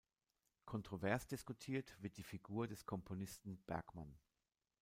Kontrovers diskutiert wird die Figur des Komponisten Bergmann.